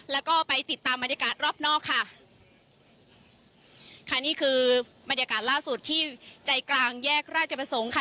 แล้วก็ไปติดตามบรรยากาศรอบนอกค่ะค่ะนี่คือบรรยากาศล่าสุดที่ใจกลางแยกราชประสงค์ค่ะ